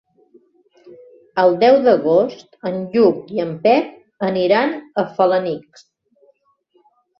El deu d'agost en Lluc i en Pep aniran a Felanitx.